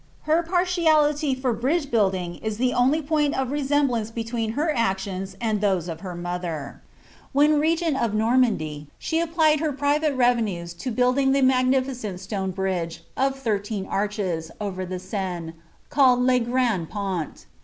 Her partiality for briil^ huildmg is the only point of Tc^smblBiice between her actions aiul ihon . of bfr mother. While rt geni of Nunnaody, she applied her prinu , revenues to building; l)ie niagniticenl alone bridge, of tliirtern arehcii r over the Seine, colled Le Grand Pont.